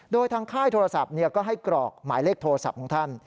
โดยทางค่ายโทรศัพท์ก็ให้กรอกหมายเลขโทรศัพท์ของท่าน